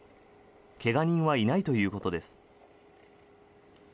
怪我人はいないということです。